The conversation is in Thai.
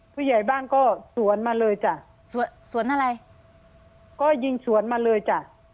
ผู้ใหญ่บ้านก็สวนมาเลยจ้ะสวนสวนอะไรก็ยิงสวนมาเลยจ้ะ